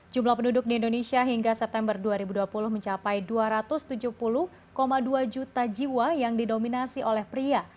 jumlah penduduk di indonesia hingga september dua ribu dua puluh mencapai dua ratus tujuh puluh dua juta jiwa yang didominasi oleh pria